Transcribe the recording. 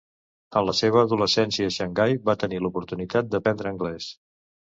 En la seva adolescència a Xangai va tenir l'oportunitat d'aprendre anglès.